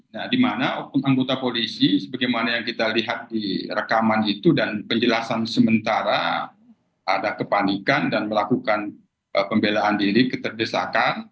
nah di mana anggota polisi sebagaimana yang kita lihat di rekaman itu dan penjelasan sementara ada kepanikan dan melakukan pembelaan diri keterdesakan